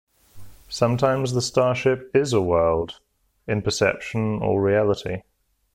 Sometimes the starship "is" a world, in perception or reality.